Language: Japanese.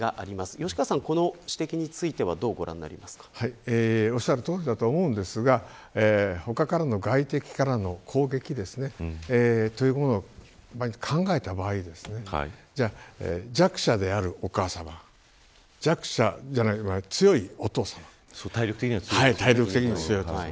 吉川さん、この指摘についてはおっしゃるとおりだと思いますが他からの、外敵からの攻撃というものを考えた場合弱者であるお母さま体力的には強い。